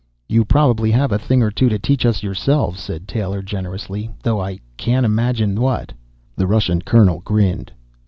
"You probably have a thing or two to teach us yourselves," said Taylor generously, "though I can't imagine what." The Russian colonel grinned.